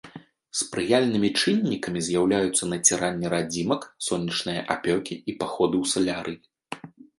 Спрыяльнымі чыннікамі з'яўляюцца націранне радзімак, сонечныя апёкі і паходы ў салярый.